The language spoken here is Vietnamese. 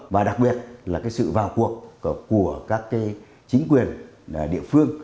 và đặc biệt là cái sự vào cuộc của các cái chính quyền địa phương